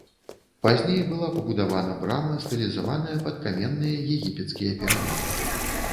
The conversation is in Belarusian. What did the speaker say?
Пазней была пабудавана брама, стылізаваная пад каменныя егіпецкія піраміды.